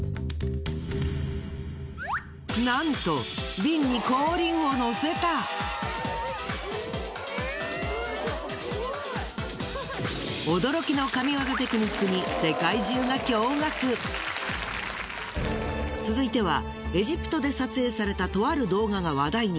なんと驚きの続いてはエジプトで撮影されたとある動画が話題に。